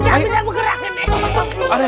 jangan bergerakin deh